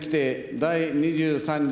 第２３条